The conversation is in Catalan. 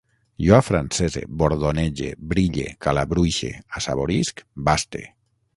Jo afrancese, bordonege, brille, calabruixe, assaborisc, baste